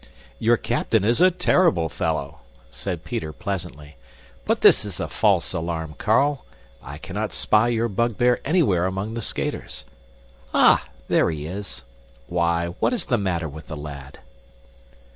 "Your captain is a terrible fellow," said Peter pleasantly, "but this is a false alarm, Carl. I cannot spy your bugbear anywhere among the skaters. Ah, there he is! Why, what is the matter with the lad?"